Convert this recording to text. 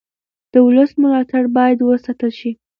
د ولس ملاتړ باید وساتل شي